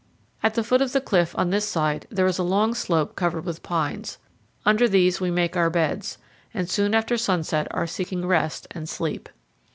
At the foot of the cliff on this side there is a long slope covered with pines; under these we make our beds, and soon after sunset are seeking rest and sleep.